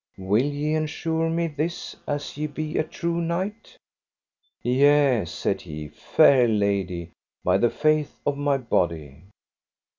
Will ye ensure me this as ye be a true knight? Yea, said he, fair lady, by the faith of my body.